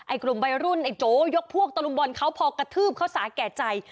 กลุ่มวัยรุ่นไอ้โจยกพวกตะลุมบอลเขาพอกระทืบเขาสาแก่ใจ